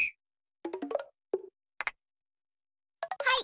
はい。